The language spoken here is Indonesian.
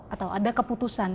atau ada keputusan